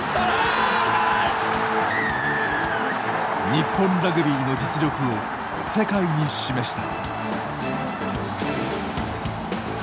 日本ラグビーの実力を世界に示した。